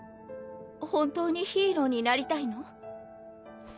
本当にヒーローになりたいの？